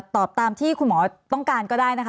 ตอบตามที่คุณหมอต้องการก็ได้นะคะ